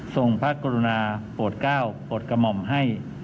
พระกรุณาโปรดก้าวโปรดกระหม่อมให้